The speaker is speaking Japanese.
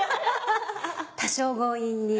多少強引に。